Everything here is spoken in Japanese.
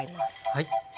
はい。